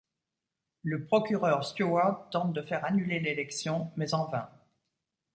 Le procureur Stuart tente de faire annuler l'élection, mais en vain.